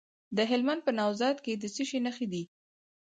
د هلمند په نوزاد کې د څه شي نښې دي؟